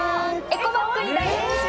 エコバッグに大変身！